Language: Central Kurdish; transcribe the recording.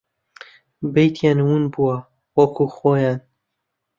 بەیتیان ون بووە وەکوو خۆیان